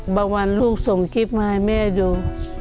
บางวันลูกส่งกิ๊บมาให้แม่ดู